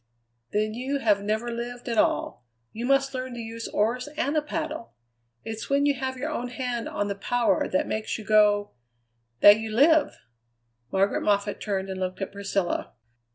"Then you have never lived at all. You must learn to use oars and a paddle. It's when you have your own hand on the power that makes you go that you live." Margaret Moffatt turned and looked at Priscilla.